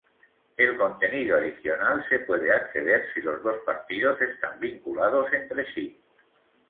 El contenido adicional se puede acceder si los dos partidos están vinculados entre sí.